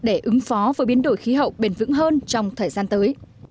để ứng phó với biến đổi khí hậu bền vững hơn trong thời gian tới